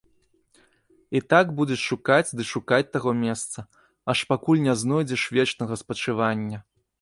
І так будзеш шукаць ды шукаць таго месца, аж пакуль не знойдзеш вечнага спачывання.